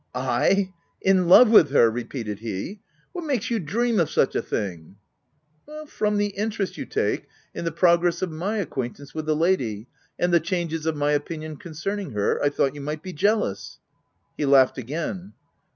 "/ in love with her !" repeated he. " What makes you dream of such a thing ?" p 3 106 THE TENANT " From the interest you take in the progress of my acquaintance with the lady, and the changes of my opinion concerning her, I thought you might be jealous." He laughed again.